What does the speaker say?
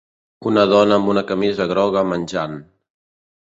Una dona amb una camisa groga menjant.